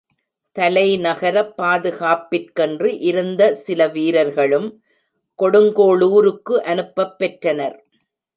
தலைநகரப் பாதுகாப்பிற்கென்று இருந்த சில வீரர்களும், கொடுங்கோளுருக்கு அனுப்பப் பெற்றனர்.